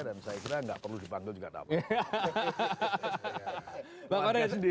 dan saya kira gak perlu dipanggil juga dapat